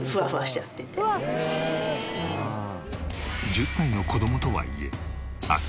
１０歳の子どもとはいえ明日